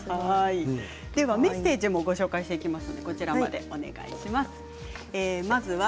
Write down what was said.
メッセージもご紹介していきます。